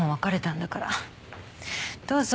どうぞ。